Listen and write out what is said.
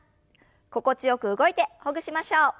心地よく動いてほぐしましょう。